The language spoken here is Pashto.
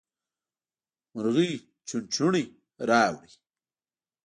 مرغۍ چوچوڼی راووړ.